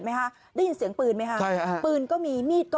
ไม่ได้ไม่ได้ไม่ได้